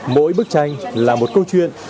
mỗi bức tranh là một câu chuyện